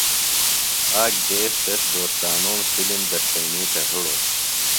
آک دیس تس دوستانوم فِلم دڇھئینی تھےۡ ہِڑوۡ۔